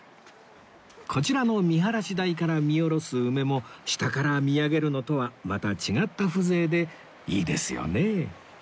こちらの見晴らし台から見下ろす梅も下から見上げるのとはまた違った風情でいいですよね